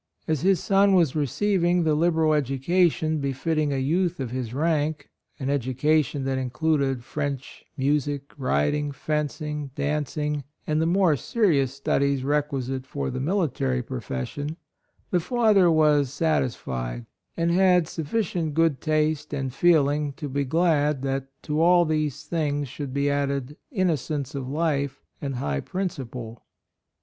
As his son was receiving the liberal education befitting a youth of his rank — an education that included French, music, riding, fencing, dancing, and the more serious studies requisite for the military profession, — the father was sat isfied, and had sufficient good taste and feeling to be glad that to all these things should be added innocence of life and high principle.